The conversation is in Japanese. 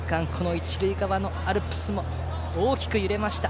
一塁側アルプスも大きく揺れました。